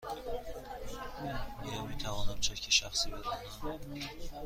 آیا می توانم چک شخصی بدهم؟